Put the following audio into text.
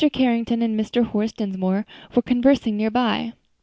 Carrington and Mr. Horace Dinsmore were conversing near by.